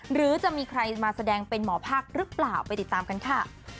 หรือจะมีใครมาแสดงเป็นหมอภาคหรือเปล่าไปติดตามกันค่ะ